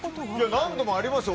何度もありますよ。